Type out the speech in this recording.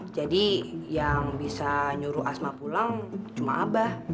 jadi yang bisa nyuruh asma pulang cuma abah